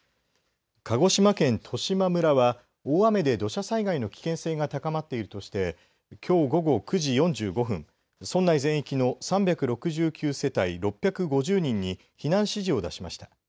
鹿児島県十島村は雨で土砂災害の危険性が高まっているとしてきょう午後９時４５分村内全域の３６９世帯６５０人に避難指示を出しました。